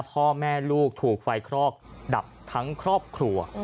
พ่อแม่ลูกถูกไฟคลอกดับทั้งครอบครัว